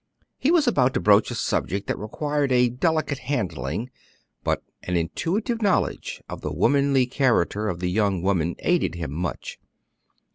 He was about to broach a subject that required delicate handling; but an intuitive knowledge of the womanly character of the young girl aided him much.